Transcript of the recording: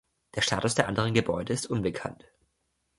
Der Status der anderen Gebäude ist unbekannt.